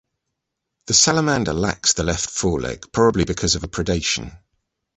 The salamander lacks of the left foreleg, probably because of a predation.